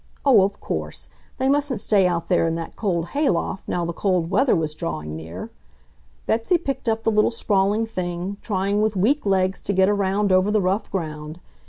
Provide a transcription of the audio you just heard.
Oh, of course! they mustn't stay out there in that cold hay loft now the cold weather was drawing near. Betsy picked up the little sprawling thing, trying with weak legs to get around over the rough ground.